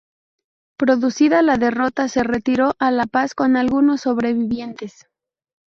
Producida la derrota se retiró a La Paz con algunos sobrevivientes.